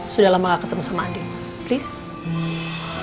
sudah lama gak ketemu sama andien please